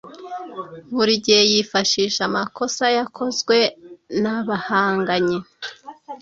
Buri gihe yifashisha amakosa yakozwe na bahanganye.